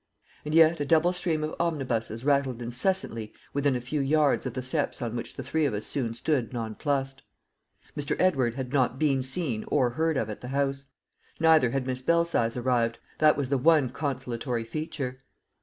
And yet a double stream of omnibuses rattled incessantly within a few yards of the steps on which the three of us soon stood nonplussed. Mr. Edward had not been seen or heard of at the house. Neither had Miss Belsize arrived; that was the one consolatory feature.